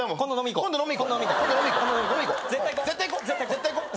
絶対行こう。